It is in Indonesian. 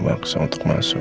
kalau gue maksa untuk masuk